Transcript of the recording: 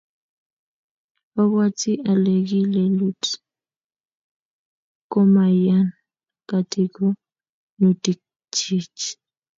obwoti ale ki lelut komaiyan katikonutikchich